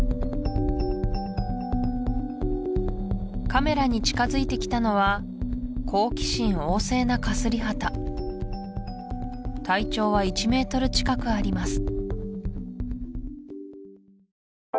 カメラに近づいてきたのは好奇心旺盛なカスリハタ体長は１ｍ近くあります